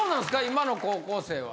今の高校生は？